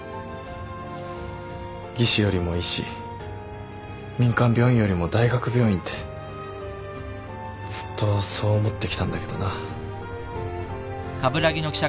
技師よりも医師民間病院よりも大学病院ってずっとそう思ってきたんだけどな。